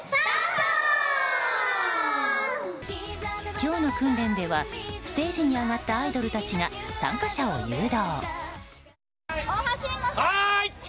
今日の訓練ではステージに上がったアイドルたちが参加者を誘導。